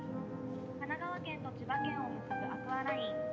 神奈川県と千葉県を結ぶアクアライン。